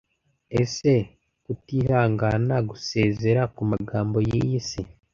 ese kutihangana gusezera kumagambo yiyi si